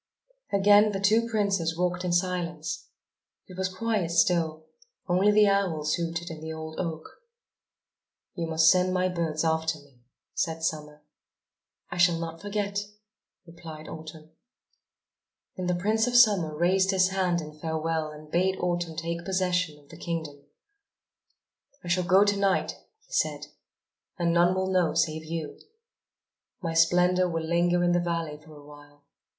Again the two princes walked in silence. It was quite still, only the owls hooted in the old oak. "You must send my birds after me," said Summer. "I shall not forget," replied Autumn. Then the Prince of Summer raised his hand in farewell and bade Autumn take possession of the kingdom. "I shall go to night," he said. "And none will know save you. My splendour will linger in the valley for a while.